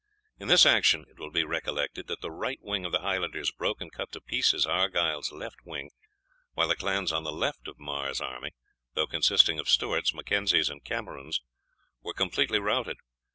In this action, it will be recollected that the right wing of the Highlanders broke and cut to pieces Argyle's left wing, while the clans on the left of Mar's army, though consisting of Stewarts, Mackenzies, and Camerons, were completely routed.